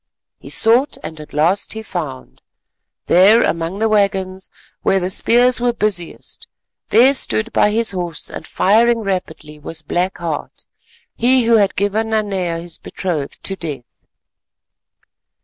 He sought—and at last he found. There, among the waggons where the spears were busiest, there standing by his horse and firing rapidly was Black Heart, he who had given Nanea his betrothed to death.